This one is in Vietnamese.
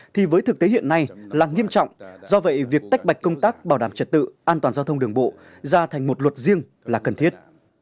thì với thực tế hiện nay là nghiêm trọng do vậy việc tách bạch công tác bảo đảm trật tự an toàn giao thông đường bộ ra thành một luật riêng là cần thiết